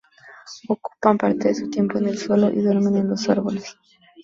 Ocupan parte de su tiempo en el suelo, y duermen en los árboles.